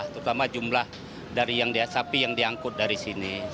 terutama jumlah sapi yang diangkut dari sini